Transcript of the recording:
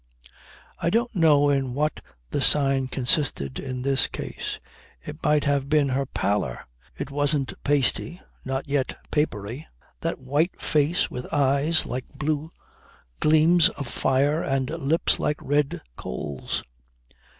I don't know in what the sign consisted in this case. It might have been her pallor (it wasn't pasty nor yet papery) that white face with eyes like blue gleams of fire and lips like red coals.